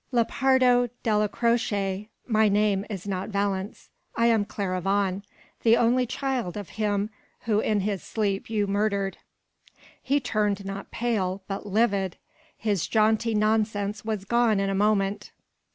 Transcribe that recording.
"Lepardo Della Croce, my name is not Valence. I am Clara Vaughan, the only child of him whom in his sleep you murdered." He turned not pale, but livid. His jaunty nonsense was gone in a moment.